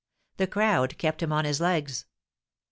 The crowd kept him on his legs.